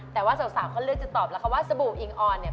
แต่ว่าสาวเขาเลือกจะตอบแล้วค่ะว่าสบู่อิงออนเนี่ย